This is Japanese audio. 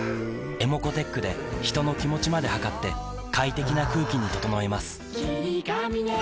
ｅｍｏｃｏーｔｅｃｈで人の気持ちまで測って快適な空気に整えます